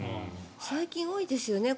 最近多いですよね。